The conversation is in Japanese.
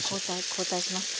交代しますか？